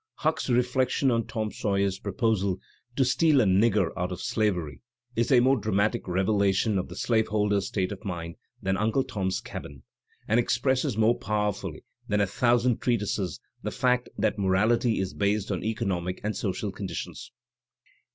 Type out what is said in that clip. Huck*s reflection on Tom Sawyer's proposal to "steal a nigger out of slavery" is a more dramatic revelation of the slaveholder's state of mind than "Uncle Tom's Cabin," and expresses more powerfully than a thou sand treatises the fact that "morality" is based on economic t and social conditions.